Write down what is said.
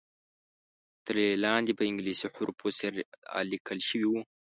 ترې لاندې په انګلیسي حروفو سیرا لیکل شوی وو.